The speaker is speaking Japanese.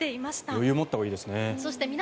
余裕を持ったほうがいいですね。